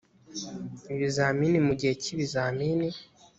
ibizamini mu gihe cy ibizamini